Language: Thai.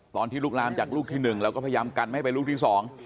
ตอนที่ลุกลำจากลูกที่๑เราก็พยายามกันให้ไปลูกที่๒